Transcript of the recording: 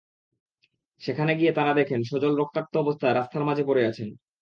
সেখানে গিয়ে তাঁরা দেখেন সজল রক্তাক্ত অবস্থায় রাস্তার মাঝে পড়ে আছেন।